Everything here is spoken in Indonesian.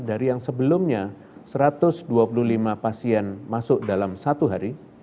dari yang sebelumnya satu ratus dua puluh lima pasien masuk dalam satu hari